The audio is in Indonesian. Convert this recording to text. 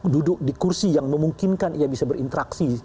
duduk di kursi yang memungkinkan ia bisa berinteraksi